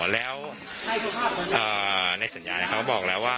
แล้วในสัญญาเขาบอกแล้วว่า